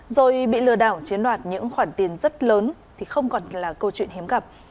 rồi bị lừa đảo chiến đoạt những khoản tiền rất lớn thì không còn là câu chuyện hiếm gặp